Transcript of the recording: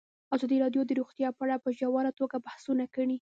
ازادي راډیو د روغتیا په اړه په ژوره توګه بحثونه کړي.